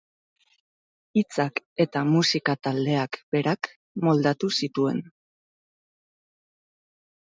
Hitzak eta musika taldeak berak moldatu zituen.